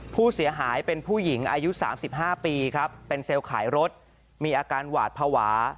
ผู้เสียหายเป็นผู้หญิงอายุ๓๕ปีครับเป็นเซลล์ขายรถมีอาการหวาดภาวะ